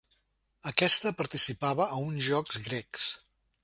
Aquesta participava a uns jocs grecs.